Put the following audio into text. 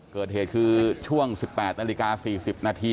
เกิดเหตุคือช่วง๑๘นาฬิกา๔๐นาที